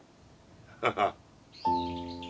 ハハッ。